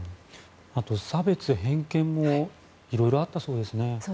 あと、差別・偏見もいろいろあったそうですね。